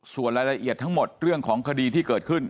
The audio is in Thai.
ส่วนรายละเอียดทั้งหมดเรื่องของคดีที่เกิดขึ้น